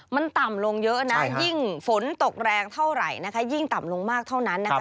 มันต่ำลงเยอะนะยิ่งฝนตกแรงเท่าไหร่นะคะยิ่งต่ำลงมากเท่านั้นนะคะ